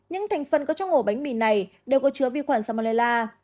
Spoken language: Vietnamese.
những thành phần có trong ngộ bánh mì này đều có chứa vi khuẩn samolella